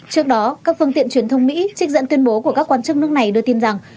trước đó các phương tiện truyền thông mỹ trích dẫn tuyên bố của các quan chức nước này đưa tin rằng